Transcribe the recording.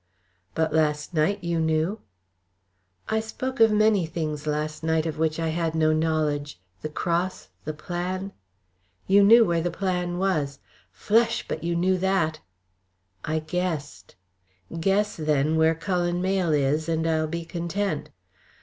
"But last night you knew." "I spoke of many things last night of which I had no knowledge the cross, the plan " "You knew where the plan was. Flesh! but you knew that!" "I guessed." "Guess, then, where Cullen Mayle is, and I'll be content."